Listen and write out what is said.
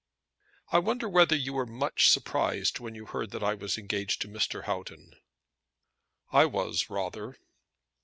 "I wonder whether you were much surprised when you heard that I was engaged to Mr. Houghton?" "I was, rather."